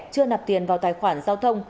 chưa nập tiền vào tài khoản giao thông